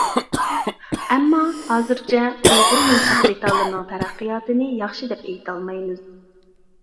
ئەمما، ھازىرچە ئۇيغۇر يۇمشاق دېتاللىرىنىڭ تەرەققىياتىنى ياخشى دەپ ئېيتالمايمىز.